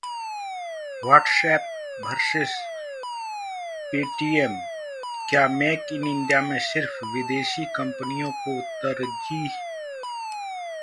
WhatsApp vs Paytm: क्या 'make in India' में सिर्फ विदेशी कंपनियों को तरजीह?